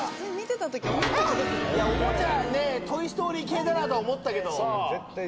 おもちゃね『トイ・ストーリー』系だなと思ったけど。